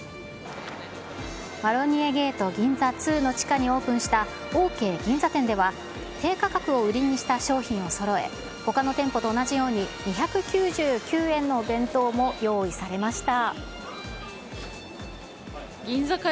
マロニエゲート銀座２の地下にオープンしたオーケー銀座店では、低価格を売りにした商品をそろえ、ほかの店舗と同じように、２９９円のお弁当も用意されました。